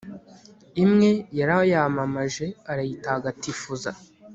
imwe yarayamamaje, arayitagatifuza